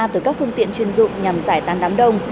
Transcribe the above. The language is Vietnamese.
từ các phương tiện chuyên dụng nhằm giải tán đám đông